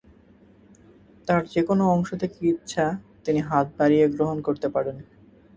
তার যে কোন অংশ থেকে ইচ্ছা তিনি হাত বাড়িয়ে গ্রহণ করতে পারেন।